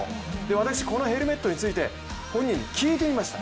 私このヘルメットについて本人に聞いてみました。